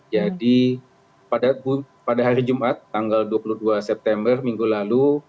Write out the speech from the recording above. jadi pada hari jumat tanggal dua puluh dua september minggu lalu